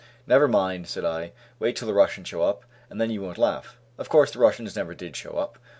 "Never mind," said I, "wait till the Russians show up, and then you won't laugh." Of course the Russians never did show up.